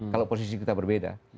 kalau posisi kita berbeda